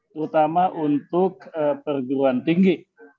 terutama untuk perguruan tinggi